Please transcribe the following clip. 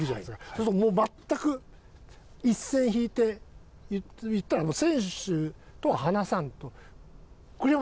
それともう全く一線引いて言ったらもう選手とは話さんと。